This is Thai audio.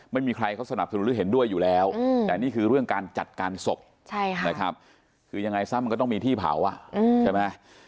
ไม่มีใครเขาสนับสนุนหรือเห็นด้วยอยู่แล้วแต่นี่คือเรื่องการจัดการศพนะครับคือยังไงซะมันก็ต้องมีที่เผาอ่ะใช่ไหม